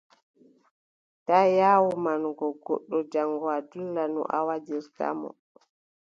Taa yaawu manugo goɗɗo jaŋgo a dulla no a wajirta mo.